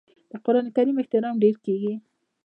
د قران کریم احترام ډیر کیږي.